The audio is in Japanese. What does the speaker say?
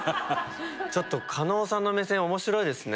ちょっと加納さんの目線面白いですね。